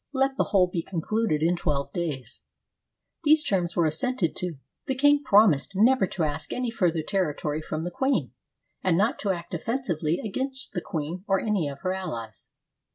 Let the whole be concluded in twelve days." These terms were assented to. The king promised never to ask any further territory from the queen, and not to act offensively against the queen or any of her allies.